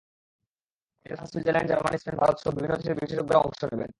এতে France, Switzerland, Germany, Spain, ভারতসহ বিভিন্ন দেশের বিশেষজ্ঞরা অংশ নেবেন।